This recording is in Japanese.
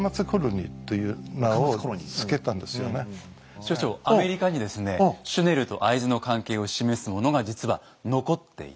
所長アメリカにですねシュネルと会津の関係を示すものが実は残っていて。